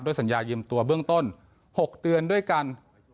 สัญญายืมตัวเบื้องต้น๖เดือนด้วยกัน